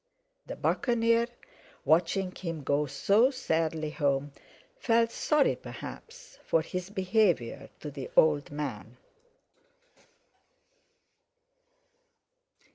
The Buccaneer, watching him go so sadly home, felt sorry perhaps for his behaviour to the old man.